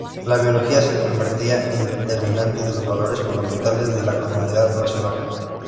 La biología se convertía en determinante de los valores fundamentales de la comunidad nacional.